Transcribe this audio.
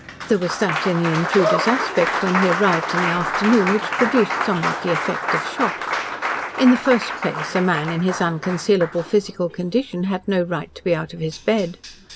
There was that in the intruder's aspect, when he arrived in the afternoon, which produced somewhat the effect of shock. In the first place, a man in his unconcealable physical condition had no right to be out of his bed.